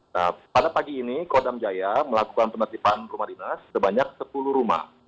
nah pada pagi ini kodam jaya melakukan penertiban rumah dinas sebanyak sepuluh rumah